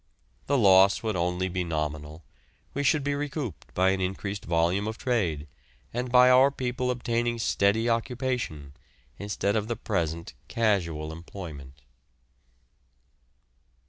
The loss would only be nominal; we should be recouped by an increased volume of trade, and by our people obtaining steady occupation instead of the present casual employment.